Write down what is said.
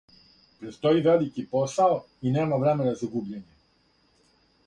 Предстоји велики посао и нема времена за губљење.